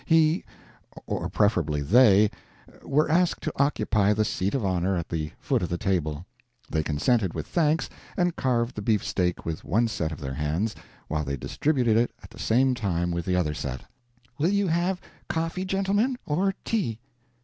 He or preferably they were asked to occupy the seat of honor at the foot of the table. They consented with thanks, and carved the beefsteak with one set of their hands while they distributed it at the same time with the other set. "Will you have coffee, gentlemen, or tea?"